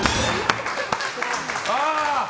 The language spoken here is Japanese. ああ。